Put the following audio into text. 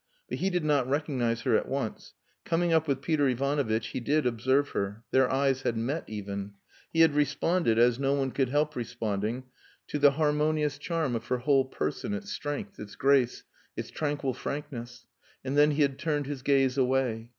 But he did not recognize her at once. Coming up with Peter Ivanovitch, he did observe her; their eyes had met, even. He had responded, as no one could help responding, to the harmonious charm of her whole person, its strength, its grace, its tranquil frankness and then he had turned his gaze away.